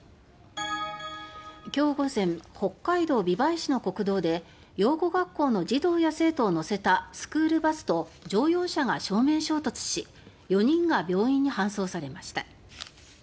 今日午前北海道美唄市の国道で養護学校の児童や生徒を乗せたスクールバスと乗用車が正面衝突し４人が病院に搬送されました。